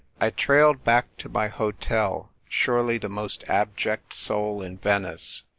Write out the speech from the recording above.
I TRAir.ED back to my hotel, surely the most abject soul in Venice.